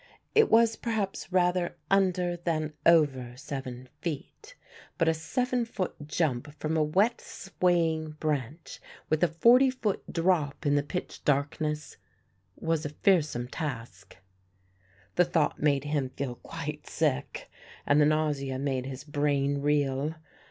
It was perhaps rather under than over seven feet. But a seven foot jump from a wet swaying branch, with a forty foot drop in the pitch darkness was a fearsome task. The thought made him feel quite sick and the nausea made his brain reel.